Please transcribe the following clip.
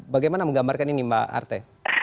bagaimana menggambarkan ini mbak arte